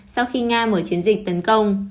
sau khi nga mở chiến dịch tấn công